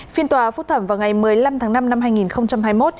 phiên tòa phúc thẩm vào ngày một mươi năm tháng năm năm hai nghìn hai mươi một